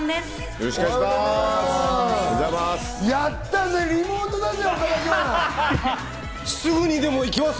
よろしくお願いします。